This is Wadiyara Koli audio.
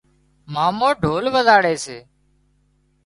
مامو ڍول وزاڙي سي